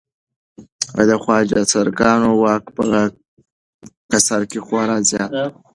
د خواجه سراګانو واک په قصر کې خورا زیات و.